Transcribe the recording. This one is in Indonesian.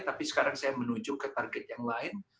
tapi sekarang saya menuju ke target yang lain